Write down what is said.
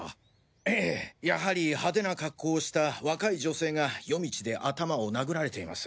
ええやはり派手な格好をした若い女性が夜道で頭を撲られています。